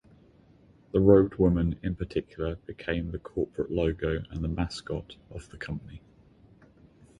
The robed woman, in particular, became the corporate logo and mascot of the company.